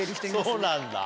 そうなんだ。